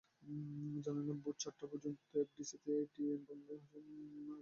জানালেন, ভোর চারটা পর্যন্ত এফডিসিতে এটিএন বাংলার একটি অনুষ্ঠানের রেকর্ডিংয়ের কাজ করেছেন।